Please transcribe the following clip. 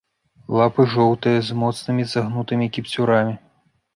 Лапы жоўтыя, з моцнымі загнутымі кіпцюрамі.